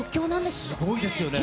すごいですよね。